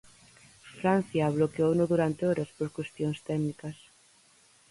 Francia bloqueouno durante horas por cuestións técnicas.